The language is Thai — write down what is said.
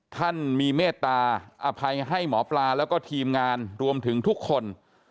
ท่านมีเมตตาอภัยให้หมอปลาแล้วก็ทีมงานรวมถึงทุกคน